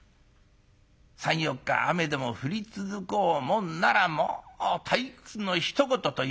３４日雨でも降り続こうもんならもう退屈のひと言というやつで。